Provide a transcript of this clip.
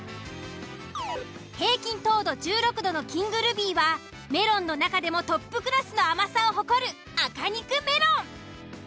平均糖度１６度のキングルビーはメロンの中でもトップクラスの甘さを誇る赤肉メロン。